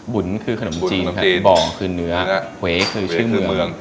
บุ๋นคือขนมจีนบ่อคือเนื้อเวคือชื่อเมือง